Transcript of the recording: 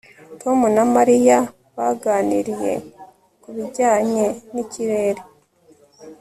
Tom na Mariya baganiriye ku bijyanye nikirere